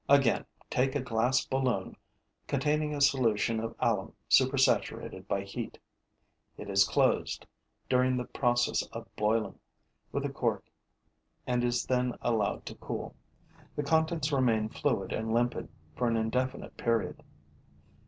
Again, take a glass balloon containing a solution of alum supersaturated by heat. It is closed, during the process of boiling, with a cork and is then allowed to cool. The contents remain fluid and limpid for an indefinite period.